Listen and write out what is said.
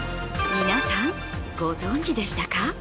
皆さん、ご存じでしたか？